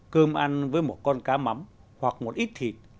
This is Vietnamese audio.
cơm ăn với một con cá mắm hoặc một ít thịt